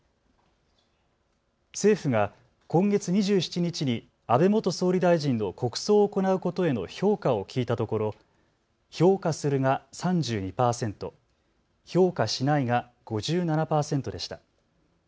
政府が今月２７日に安倍元総理大臣の国葬を行うことへの評価を聞いたところ、評価するが３２％、評価しないが５７％でした。